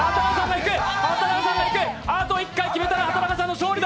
あと１回決めたら畠中さんの勝利だ。